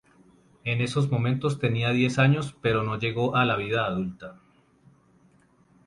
En esos momentos tenía diez años pero no llegó a la vida adulta.